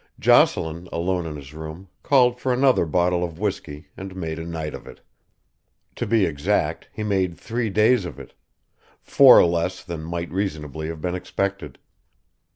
Jocelyn, alone in his room, called for another bottle of whiskey and made a night of it. To be exact he made three days of it four less than might reasonably have been expected.